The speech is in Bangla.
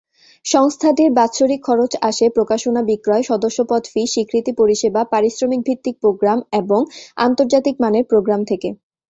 সংস্থাটির বাৎসরিক খরচ আসে প্রকাশনা বিক্রয়, সদস্যপদ ফি, স্বীকৃতি পরিষেবা, পারিশ্রমিক ভিত্তিক প্রোগ্রাম, এবং আন্তর্জাতিক মানের প্রোগ্রাম থেকে।